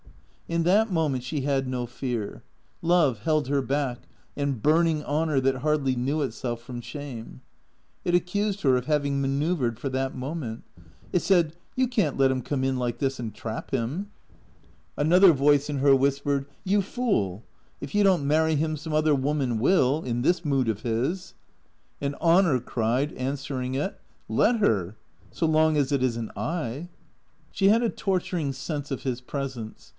In that moment she had no fear. Love held her back and burning honour that hardly knew itself from shame. It accused her of having manoeuvred for that moment. It said, " You can't let him come in like this and trap him." Another voice in her whispered, " You fool. If you don't marry him some other woman will — in this mood of his." And honour cried, answering it, " Let her. So long as it is n't I." She had a torturing sense of his presence.